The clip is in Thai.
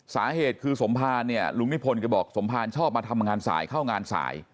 สาเหตุคือสมภารเนี่ยลุงนิพนธ์แกบอกสมภารชอบมาทำงานสายเข้างานสาย